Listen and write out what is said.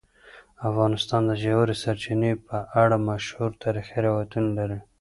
افغانستان د ژورې سرچینې په اړه مشهور تاریخی روایتونه لري.